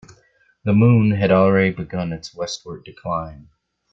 The moon had already begun its westward decline.